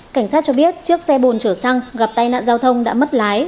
cảnh sát cho biết chiếc xe bồn chở xăng gặp tai nạn giao thông đã mất lái